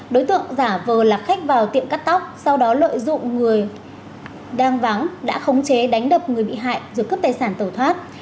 đối tượng giả vờ lạc khách vào tiệm cắt tóc sau đó lợi dụng người đang vắng đã khống chế đánh đập người bị hại rồi cướp tài sản tẩu thoát